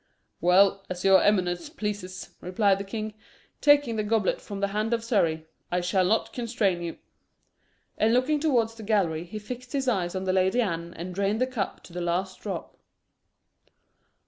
"Well, as your eminence pleases," replied the king, taking the goblet from the hand of Surrey; "I shall not constrain you." And looking towards the gallery, he fixed his eyes on the Lady Anne and drained the cup to the last drop.